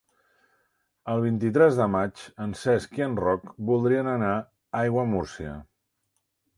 El vint-i-tres de maig en Cesc i en Roc voldrien anar a Aiguamúrcia.